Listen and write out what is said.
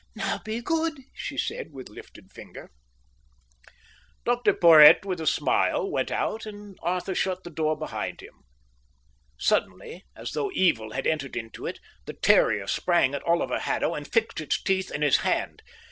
"Now, be good," she said, with lifted finger. Dr Porhoët with a smile went out, and Arthur shut the door behind him. Suddenly, as though evil had entered into it, the terrier sprang at Oliver Haddo and fixed its teeth in his hand.